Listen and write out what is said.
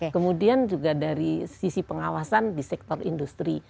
kemudian juga dari sisi pengawasan di sektor industri